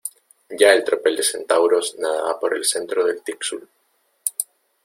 ya el tropel de centauros nadaba por el centro del Tixul,